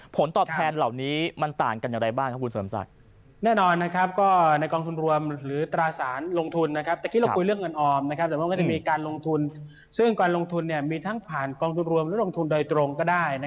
ผลตอบแทนเหล่านี้มันต่างกันอย่างไรบ้างครับคุณสมศักดิ์